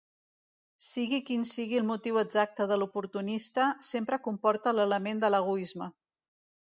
Sigui quin sigui el motiu exacte de l'oportunista, sempre comporta l'element de l'egoisme.